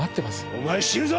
お前死ぬぞ！